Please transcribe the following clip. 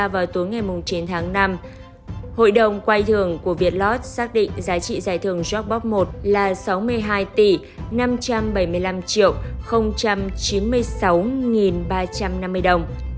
vào tối ngày chín tháng năm hội đồng quay thường của việt lot xác định giá trị giải thường jackpot một là sáu mươi hai năm trăm bảy mươi năm chín mươi sáu ba trăm năm mươi đồng